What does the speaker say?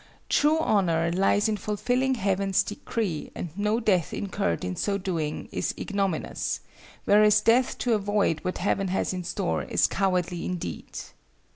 True honor lies in fulfilling Heaven's decree and no death incurred in so doing is ignominious, whereas death to avoid what Heaven has in store is cowardly indeed!